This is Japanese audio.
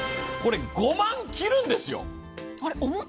これ、５万切るんですよ！